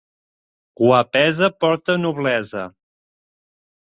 Guapesa porta noblesa.